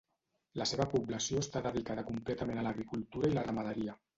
La seva població està dedicada completament a l'agricultura i la ramaderia.